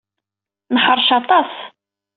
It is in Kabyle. Neḥṛec aṭas.